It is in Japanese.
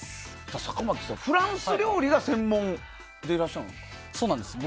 坂巻さん、フランス料理が専門でいらっしゃるんですか。